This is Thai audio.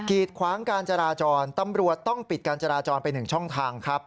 ีดขวางการจราจรตำรวจต้องปิดการจราจรไป๑ช่องทางครับ